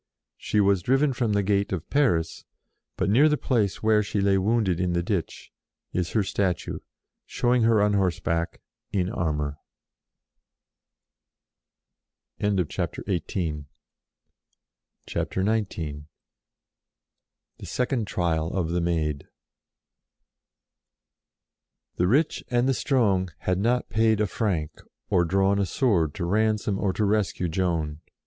She was driven from the gate of Paris, but near the place where she lay wounded in the ditch, is her statue, showing her on horse back, in armour. CHAPTER XIX THE SECOND TRIAL OF THE MAID n^HE rich and the strong had not paid ^ a franc, or drawn a sword to ransom or to rescue Joan.